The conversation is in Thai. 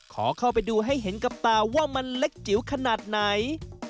ขอเข้าไปดูให้เห็นกับตาว่ามันเล็กจิ๋วขนาดไหน